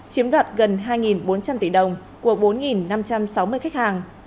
chiếm đoạt gần hai bốn trăm linh tỷ đồng của bốn năm trăm sáu mươi khách hàng